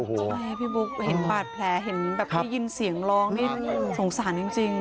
พี่บุ๊คเห็นบาดแผลเห็นพี่ยินเสียงร้องสงสารจริง